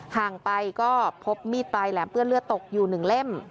ห่างไปก็พบมีดปลายแหลมเปื้อนเลือดตกอยู่๑เล่ม